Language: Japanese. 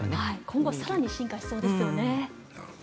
今後更に進化しそうですよね。